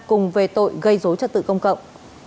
cùng về tội gây dối trợ tự công cộng